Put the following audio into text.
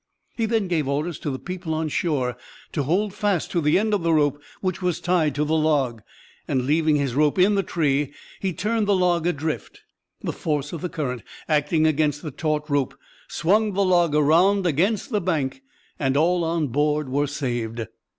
He then gave orders to the people on shore to hold fast to the end of the rope which was tied to the log, and leaving his rope in the tree he turned the log adrift. The force of the current, acting against the taut rope, swung the log around against the bank and all 'on board' were saved.